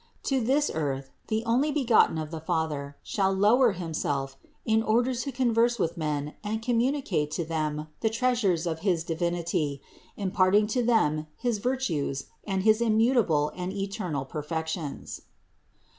To this earth the Onlybegotten of the Father shall lower Himself in order to converse with men and communicate to them the treasures of his Divinity, imparting to them his virtues and his immutable and eternal perfections."